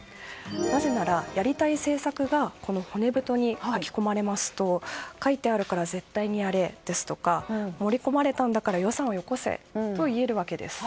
なぜなら、やりたい政策がこの骨太に書き込まれますと書いてあるから絶対にやれですとか盛り込まれたんだから予算をよこせと言えるわけです。